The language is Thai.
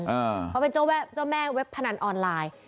เขาเป็นเจ้าแม่เว็บพนันออนไลน์